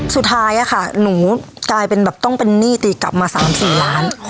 สุดท้ายอะค่ะหนูต้องเป็นนี่ทีกลับมา๓๔ล้าน